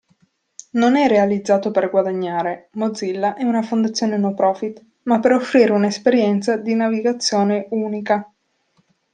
Non è realizzato per guadagnare (Mozilla è una fondazione no profit), ma per offrire un'esperienza di navigazione unica.